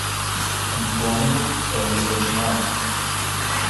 Antônio Elias Nobre